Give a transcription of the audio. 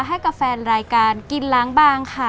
ให้กับแฟนรายการกินล้างบางค่ะ